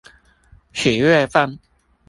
此月份